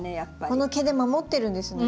この毛で守ってるんですね。